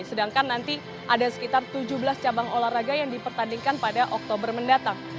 sedangkan nanti ada sekitar tujuh belas cabang olahraga yang dipertandingkan pada oktober mendatang